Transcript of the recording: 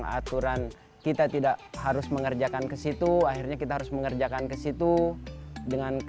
aturan kita tidak harus mengerjakan ke situ akhirnya kita harus mengerjakan ke situ dengan